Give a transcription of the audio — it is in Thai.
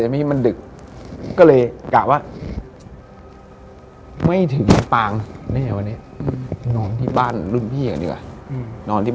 แม่ดูลงเทท